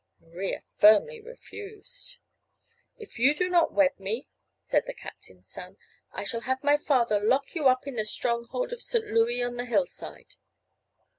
Maria firmly refused. "If you do not wed me," said the captain's son, "I shall have my father lock you up in the stronghold of St. Louis on the hillside."